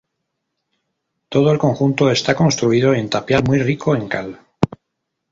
Todo el conjunto está construido en tapial muy rico en cal.